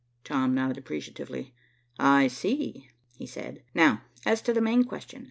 Tom nodded appreciatively. "I see," he said. "Now as to the main question.